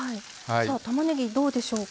たまねぎ、どうでしょうか。